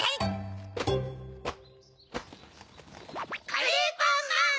カレーパンマン！